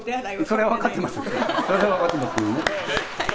それは分かってます。